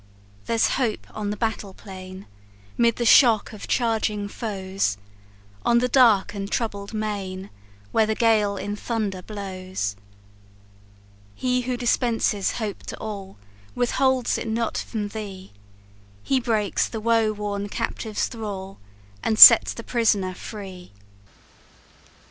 "There's hope on the battle plain, 'Mid the shock of charging foes; On the dark and troubled main, When the gale in thunder blows. "He who dispenses hope to all, Withholds it not from thee; He breaks the woe worn captive's thrall, And sets the prisoner free!"